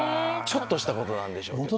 ちょっとしたことなんでしょうけど。